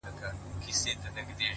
روغ زړه درواخله خدایه بیا یې کباب راکه؛